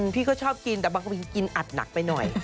พี่ก็ชอบกินแต่บางคนกินอัดหนักไปหน่อย